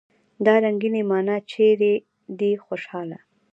دا رنګينې معنی چېرې دي خوشحاله!